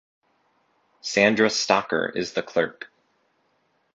Sandra Stocker is the Clerk.